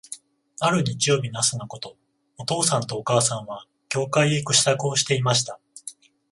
ある日曜日の朝のこと、お父さんとお母さんは、教会へ行く支度をしていました。